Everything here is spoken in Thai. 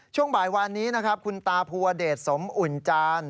ช่วงบ่ายวานนี้นะครับคุณตาภูวเดชสมอุ่นจาน